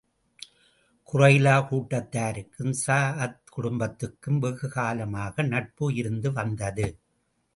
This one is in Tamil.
குறைலா கூட்டத்தாருக்கும் ஸஅத் குடும்பத்துக்கும் வெகு காலமாக நட்பு இருந்து வந்தது.